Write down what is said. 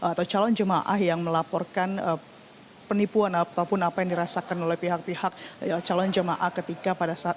atau calon jemaah yang melaporkan penipuan ataupun apa yang dirasakan oleh pihak pihak calon jamaah ketika pada saat